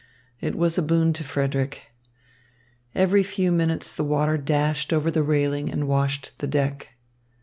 It was a boon to Frederick. Every few minutes the water dashed over the railing and washed the deck.